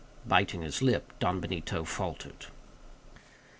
Biting his lip, Don Benito faltered.